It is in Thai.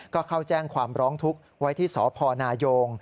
ก็เข้าแจ้งความร้องทุกข์ไว้ที่สพนายง